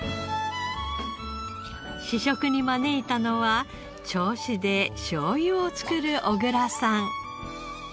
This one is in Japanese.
試食に招いたのは銚子でしょうゆを造る小倉さん。